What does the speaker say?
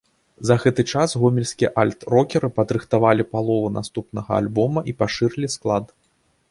За гэты час гомельскія альт-рокеры падрыхтавалі палову наступнага альбома і пашырылі склад.